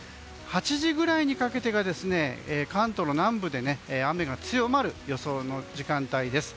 ８時ぐらいにかけてが関東の南部で雨が強まる予想の時間帯です。